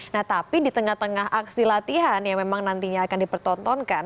nah tapi di tengah tengah aksi latihan yang memang nantinya akan dipertontonkan